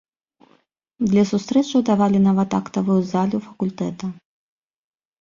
Для сустрэчаў давалі нават актавую залю факультэта.